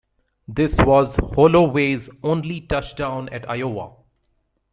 This was Holloway's only touchdown at Iowa.